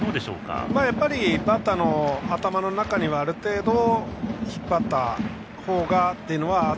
やっぱりバッターの頭の中にはある程度引っ張ったほうが。